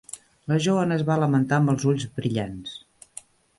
La Joan es va lamentar amb els ulls brillants.